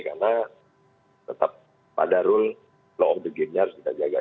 karena tetap pada rule flow of the game nya harus kita jaga